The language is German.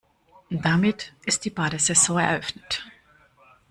Damit ist die Badesaison eröffnet.